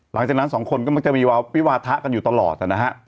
หลังจากนั้นสองคนก็มักจะมีวิวาทะกันอยู่ตลอดนะฮะ